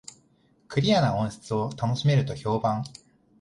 クリアな音質を楽しめると評判